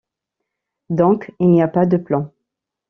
Donc il n’y a pas de plan.